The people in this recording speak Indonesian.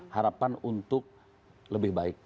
harapan untuk lebih baik